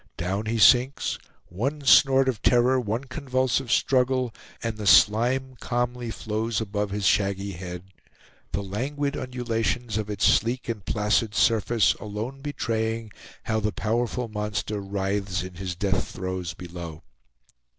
Down he sinks; one snort of terror, one convulsive struggle, and the slime calmly flows above his shaggy head, the languid undulations of its sleek and placid surface alone betraying how the powerful monster writhes in his death throes below.